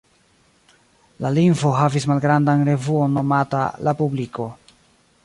La lingvo havis malgrandan revuon nomata "La Publiko".